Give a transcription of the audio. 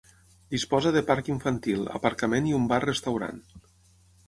Disposa de parc infantil, aparcament i un bar-restaurant.